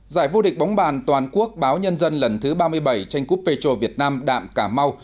giải vô địch bóng bàn toàn quốc báo nhân dân lần thứ ba mươi bảy tranh cúp pê chô việt nam đạm cả mau